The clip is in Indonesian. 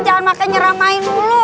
jangan makanya nyerah main dulu